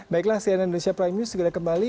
baiklah cnn indonesia prime news segera kembali